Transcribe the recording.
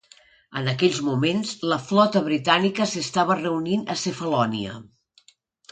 En aquells moments, la flota britànica s'estava reunint a Cefalònia.